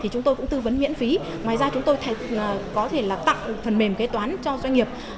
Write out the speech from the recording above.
chúng tôi cũng tư vấn miễn phí ngoài ra chúng tôi có thể là tặng phần mềm kế toán cho doanh nghiệp